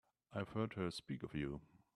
I've heard her speak of you.